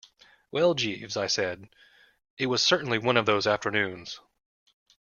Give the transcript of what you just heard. "Well, Jeeves," I said, "it was certainly one of those afternoons."